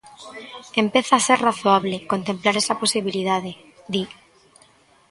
"Empeza a ser razoable contemplar esa posibilidade", di.